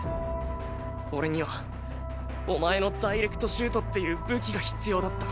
俺にはお前のダイレクトシュートっていう武器が必要だった。